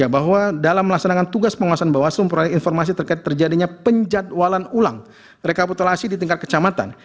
bahwa dalam melaksanakan tugas penguasaan bawaslu memperoleh informasi terkait terjadinya penjadwalan ulang rekapitulasi di tingkat kecamatan